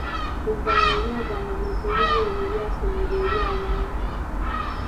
Oluvannyuma ebyavanga mu bululu obwo byasomebwa eri abantu.